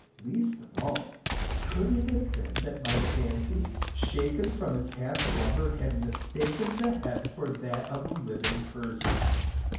Least of all, could it have been that my fancy, shaken from its half slumber, had mistaken the head for that of a living person.